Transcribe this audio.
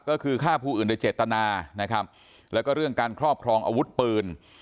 ก็คือฆ่าผู้อื่นโดยเจตนานะครับแล้วก็เรื่องการครอบครองอาวุธปืน